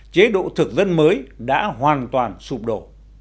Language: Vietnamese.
chế độ thực dân mới đã hoàn toàn sụp đổ